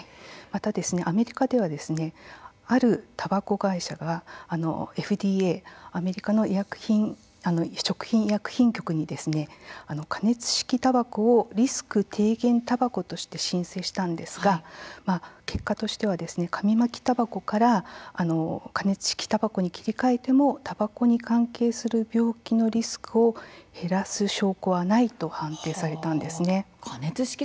またアメリカではですねあるたばこ会社がＦＤＡ、アメリカの食品医薬品局に加熱式たばこをリスク低減たばことして申請したんですが結果としては紙巻きたばこから加熱式たばこに切り替えてもたばこに関係する病気のリスクを減らす証拠はないと加熱式